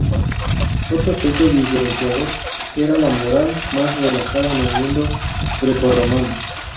Otro aspecto diferenciador era la moral, más relajada en el mundo grecorromano.